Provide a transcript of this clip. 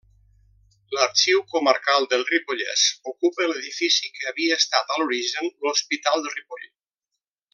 L'Arxiu Comarcal del Ripollès ocupa l’edifici que havia estat, a l’origen, l’hospital de Ripoll.